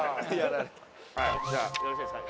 「じゃあよろしいですか？